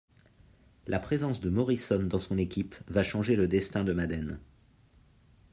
La présence de Morrison dans son équipe va changer le destin de Madden.